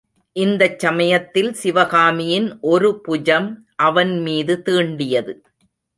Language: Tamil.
இந்தச் சமயத்தில் சிவகாமியின் ஒரு புஜம் அவன் மீது தீண்டியது.